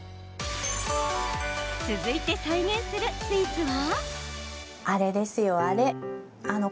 続いて再現するスイーツは？